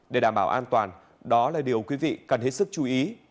để đảm bảo an toàn đó là điều quý vị cần hết sức chú ý